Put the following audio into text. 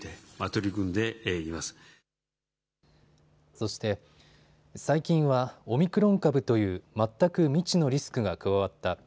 そして、最近はオミクロン株という全く未知のリスクが加わった。